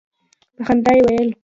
په خندا یې ویل.